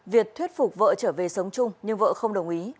việt thuyết phục vợ trở về sống chung nhưng vợ không đồng ý